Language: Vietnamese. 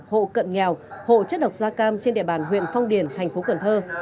hộ cận nghèo hộ chất độc da cam trên địa bàn huyện phong điền thành phố cần thơ